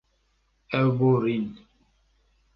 Ew borîn.